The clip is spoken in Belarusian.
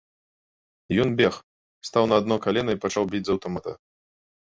Ён бег, стаў на адно калена і пачаў біць з аўтамата.